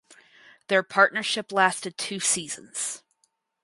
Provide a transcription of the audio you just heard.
Their partnership lasted two seasons.